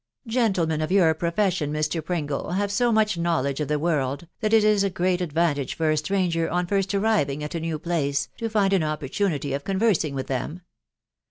•.. Gentlemen of your profession, Mr. Pringle, have so much knowledge of the world, that it is a great advantage for a stranger, on first arriving at a new place, to find an opportunity of conversing with them.